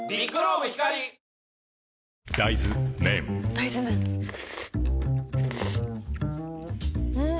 大豆麺ん？